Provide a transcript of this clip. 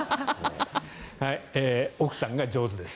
奥さんが上手です。